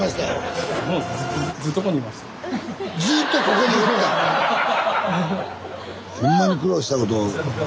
こんなに苦労したこと。